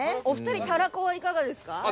お二人たらこはいかがですか？